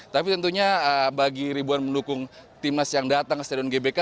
tapi tentunya bagi ribuan pendukung timnas yang datang ke stadion gbk